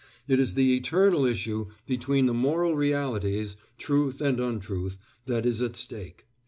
It is the eternal issue between the moral realities, truth and untruth, that is at stake.